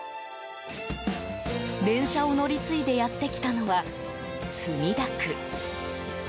電車を乗り継いでやってきたのは墨田区。